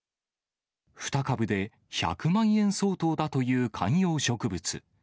２株で１００万円相当だという観葉植物。